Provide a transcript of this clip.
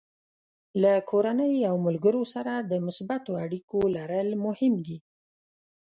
له کورنۍ او ملګرو سره د مثبتو اړیکو لرل مهم دي.